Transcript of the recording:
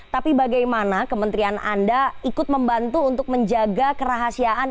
tapi bagaimana kementerian anda ikut membantu untuk menjaga kerahasiaan